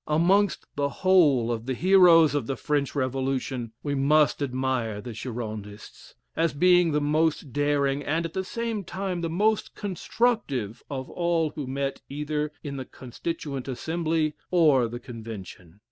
Amongst the whole of the heroes of the French Revolution, we must admire the Girondists, as being the most daring, and, at the same time, the most constructive of all who met either in the Constituent Assembly or the Convention.